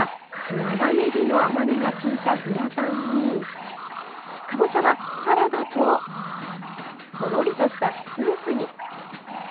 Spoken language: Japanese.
長ねぎの甘みが利いたグラタンにかぼちゃは、サラダととろりとしたスープに。